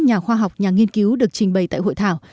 nhà khoa học nhà nghiên cứu được trình bày tại hội thảo